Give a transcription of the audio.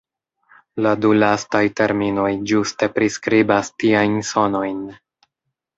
La du lastaj terminoj ĝuste priskribas tiajn sonojn.